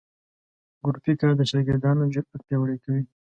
ګروپي کار د شاګردانو جرات پیاوړي کوي.